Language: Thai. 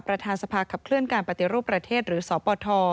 ประธานสภาขับเคลื่อนการปฏิรูปประเทศหรือสปท